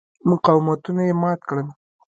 مقاومتونه یې مات کړل.